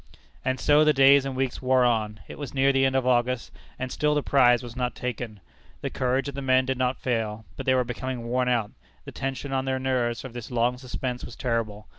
And so the days and weeks wore on; it was near the end of August, and still the prize was not taken. The courage of the men did not fail, but they were becoming worn out. The tension on their nerves of this long suspense was terrible.